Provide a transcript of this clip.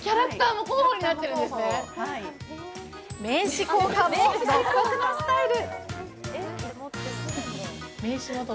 名刺交換も独特なスタイル。